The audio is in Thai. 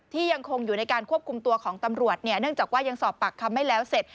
ยังคงอยู่ในการควบคุมตัวของตำรวจเนี่ยเนื่องจากว่ายังสอบปากคำไม่แล้วเสร็จ